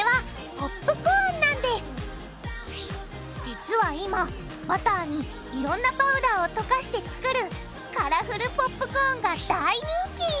実は今バターにいろんなパウダーをとかして作るカラフルポップコーンが大人気！